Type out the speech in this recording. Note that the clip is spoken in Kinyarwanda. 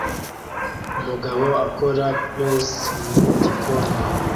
Umugabo akora przel mu gikoni